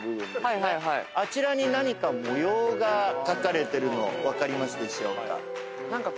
あちらに何か模様が描かれてるの分かりますでしょうか？